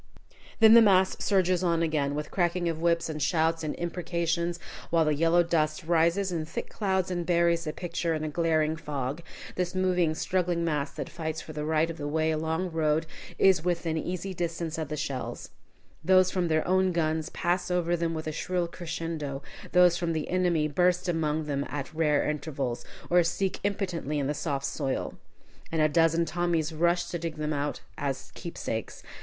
Then the mass surges on again, with cracking of whips and shouts and imprecations, while the yellow dust rises in thick clouds and buries the picture in a glaring fog. This moving, struggling mass, that fights for the right of way along the road, is within easy distance of the shells. Those from their own guns pass over them with a shrill crescendo, those from the enemy burst among them at rare intervals, or sink impotently in the soft soil. And a dozen Tommies rush to dig them out as keepsakes.